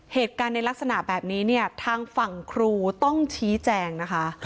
เหตุการณ์ในลักษณะแบบนี้เนี่ยทางฝั่งครูต้องชี้แจงนะคะ